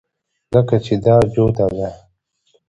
ځکه چې دا جوته ده